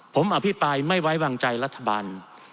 ผมอภิปรายไม่ไว้วางใจรัฐบาล